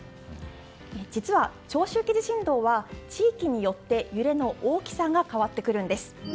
実は長周期地震動は地域によって揺れの大きさが変わってくるんです。